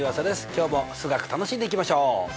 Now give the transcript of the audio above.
今日も数学楽しんでいきましょう。